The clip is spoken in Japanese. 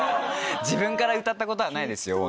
自分から歌ったことはないですよ。